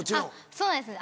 そうです